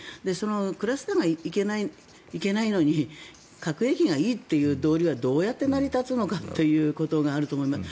クラスターがいけないのに核兵器がいいという道理はどうやって成り立つのかということがあると思います。